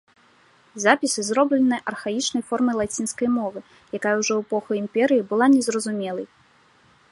Запісы зроблены архаічнай формай лацінскай мовы, якая ўжо ў эпоху імперыі была незразумелай.